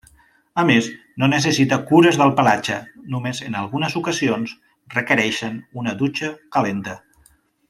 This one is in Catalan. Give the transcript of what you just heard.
A més, no necessita cures del pelatge, només en algunes ocasions requereixen una dutxa calenta.